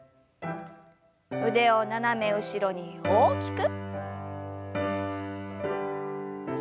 腕を斜め後ろに大きく。